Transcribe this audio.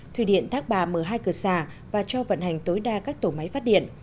thủy điện thác bà mở hai cửa xà và cho vận hành tối đa các tổ máy phát điện